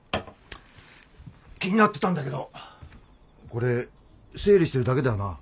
気になってたんだけどこれ整理してるだけだよな。